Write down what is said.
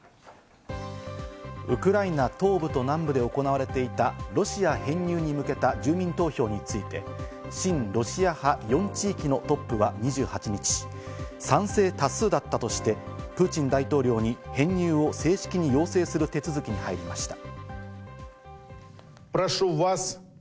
ウクライナ東部と南部で行われていたロシア編入に向けた住民投票について、親ロシア派４地域のトップは２８日、賛成多数だったとしてプーチン大統領に編入を正式に要請する手続きに入りました。